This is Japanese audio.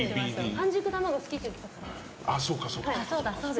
半熟卵好きって言ってたから。